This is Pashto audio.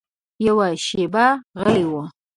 یوه شېبه غلی و.